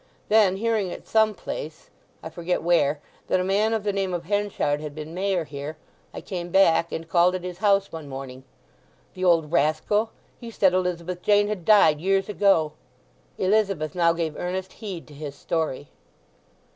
Then hearing at some place—I forget where—that a man of the name of Henchard had been mayor here, I came back, and called at his house one morning. The old rascal!—he said Elizabeth Jane had died years ago." Elizabeth now gave earnest heed to his story.